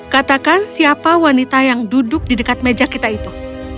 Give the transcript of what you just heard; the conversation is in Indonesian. katakan siapa wanita yang duduk di dekat meja kita itu